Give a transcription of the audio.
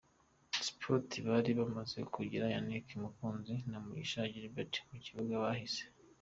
Sports bari bamaze kugira Yannick Mukunzi ya Mugisha Gilbert mu kibuga, bahise.